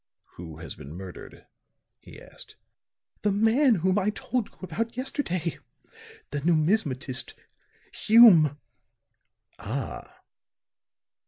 "Who has been murdered?" he asked. "The man whom I told you about yesterday the numismatist, Hume." "Ah!"